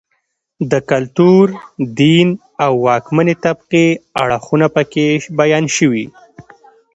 د کلتور، دین او واکمنې طبقې اړخونه په کې بیان شوي